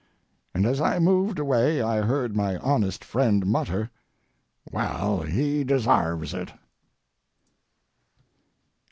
And as I moved away I heard my honest friend mutter, "Well, he desarves it."